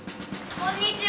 こんにちは！